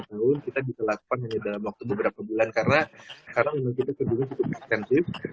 sebelas dua belas tahun kita ditelakkan hanya dalam waktu beberapa bulan karena kita terjunya cukup ekskensif